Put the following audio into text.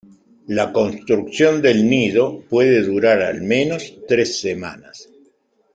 La construcción del nido puede durar al menos tres semanas.